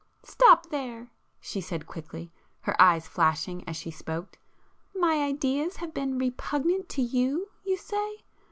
"Stop there!" she said quickly, her eyes flashing as she spoke—"My ideas have been repugnant to you, you say?